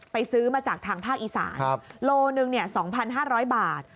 ไปซื้อมาจากทางภาคอีสานโลนึงเนี่ย๒๕๐๐บาท